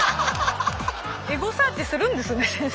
エゴサーチするんですね先生。